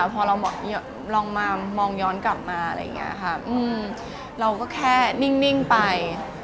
พอเรามามองย้อนกลับมาเราก็แค่นิ่งไป